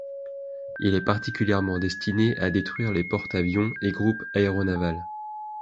Il est particulièrement destiné à détruire les porte-avions et groupes aéronavals.